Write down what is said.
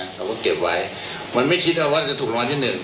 เราก็เก็บไว้มันไม่คิดว่าจะถูกรางวัลที่หนึ่ง